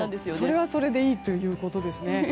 それはそれでいいということですね。